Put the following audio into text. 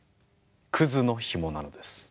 クズのヒモなのです。